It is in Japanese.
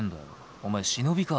お前忍びか？